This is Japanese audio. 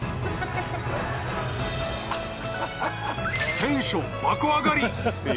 テンション爆上がり